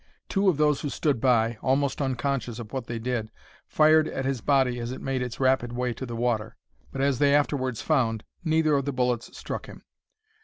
Two of those who stood by, almost unconscious of what they did, fired at his body as it made its rapid way to the water; but, as they afterwards found, neither of the bullets struck him.